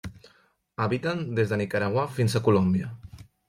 Habiten des de Nicaragua fins a Colòmbia.